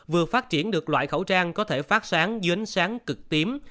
vừa phát triển được loại khẩu trang có thể phát sáng dưới ánh sáng cực tím